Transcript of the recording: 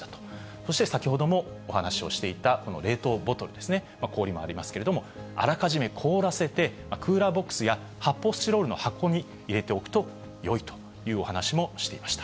そして先ほどもお話をしていたこの冷凍ボトルですね、氷もありますけれども、あらかじめ凍らせてクーラーボックスや発泡スチロールの箱に入れておくとよいというお話もしていました。